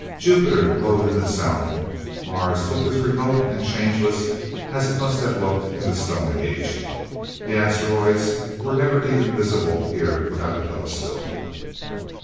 Jupiter glowed in the south. Mars looked as remote and changeless as it must have looked in the Stone Age. The asteroids were never even visible here without a telescope.